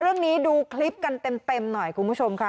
เรื่องนี้ดูคลิปกันเต็มหน่อยคุณผู้ชมค่ะ